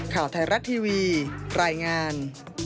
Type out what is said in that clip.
ข่าวไทยรัฐทีวีรายงาน